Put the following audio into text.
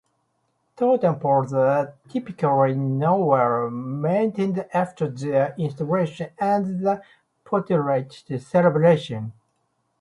Totem poles are typically not well maintained after their installation and the potlatch celebration.